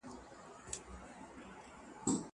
کتابونه وليکه!